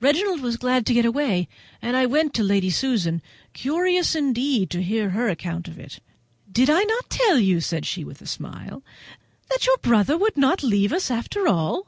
Reginald was glad to get away, and I went to Lady Susan, curious, indeed, to hear her account of it. "Did I not tell you," said she with a smile, "that your brother would not leave us after all?"